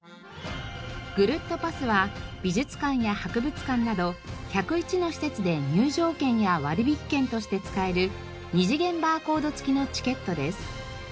ぐるっとパスは美術館や博物館など１０１の施設で入場券や割引券として使える二次元バーコード付きのチケットです。